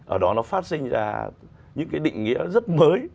ở đó nó phát sinh ra những cái định nghĩa rất mới